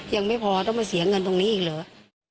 ยังไม่พอต้องมาเสียเงินตรงนี้อีกเหรอ